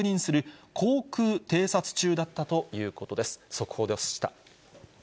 速報でした。